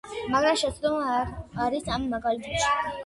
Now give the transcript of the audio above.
მაგრამ შეცდომა არის ამ მაგალითებში.